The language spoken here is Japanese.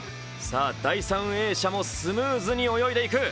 第３泳者もスムーズに泳いでいく。